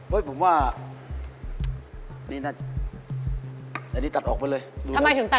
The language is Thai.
เฮ้ยผมว่านี่น่าจะอันนี้ตัดออกไปเลย